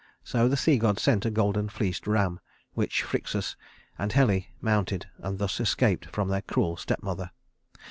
So the sea god sent a golden fleeced ram, which Phryxus and Helle mounted and thus escaped from their cruel stepmother.